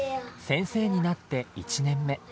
先生になって１年目。